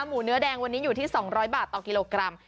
หมูเนื้อแดงวันนี้อยู่ที่๒๐๐บาทต่อกิโลกรัม